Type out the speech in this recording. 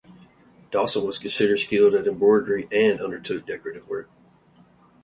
Dawson was also considered skilled at embroidery and undertook decorative work.